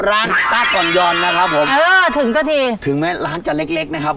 ร้านตะต่อนย้อนนะครับผมถึงก็ทีถึงแม้ร้านจะเล็กนะครับ